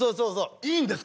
いいんですか？